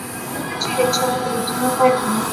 څومره چې د چا برېتونه غټ وي.